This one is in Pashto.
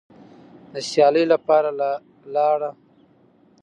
د سیالۍ لپاره لاړه